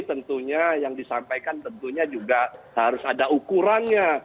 tentunya yang disampaikan tentunya juga harus ada ukurannya